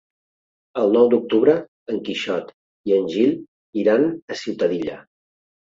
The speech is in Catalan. El nou d'octubre en Quixot i en Gil iran a Ciutadilla.